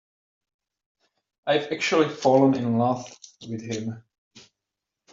I've actually fallen in love with him.